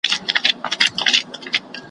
یو سړی نسته چي ورکړي تعویذونه ,